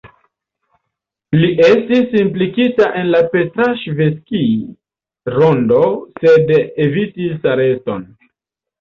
Li estis implikita en la Petraŝevskij-Rondo, sed evitis areston.